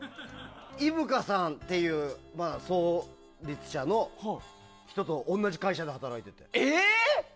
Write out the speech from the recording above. イブカさんっていう創立者の人と同じ会社で働いてたの。